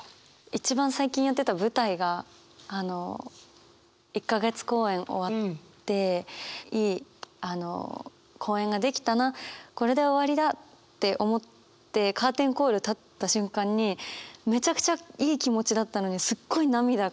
一番最近やってた舞台が１か月公演終わっていい公演ができたなこれで終わりだって思ってカーテンコール立った瞬間にめちゃくちゃいい気持ちだったのにすっごい涙が出てきて。